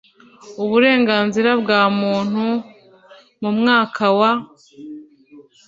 uburenganzira bwa Muntu mu mwaka w